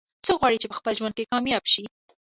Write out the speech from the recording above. څوک غواړي چې په خپل ژوند کې کامیاب شي